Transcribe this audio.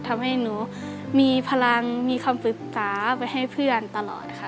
ทำให้หนูมีพลังมีคำปรึกษาไปให้เพื่อนตลอดค่ะ